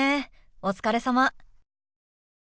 お疲れさま。